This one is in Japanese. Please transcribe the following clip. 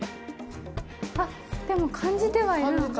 あっでも感じてはいるのか？